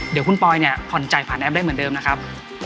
เดี๋ยวคุณปอยเนี่ยผ่อนจ่ายผ่านแอปได้เหมือนเดิมนะครับ